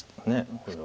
これは。